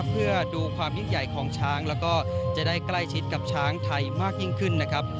เพื่อดูความยิ่งใหญ่ของช้างแล้วก็จะได้ใกล้ชิดกับช้างไทยมากยิ่งขึ้นนะครับ